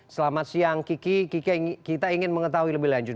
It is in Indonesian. selamat siang kiki kiki kita ingin mengetahui lebih lanjut